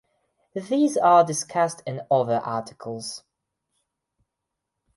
These are discussed in other articles.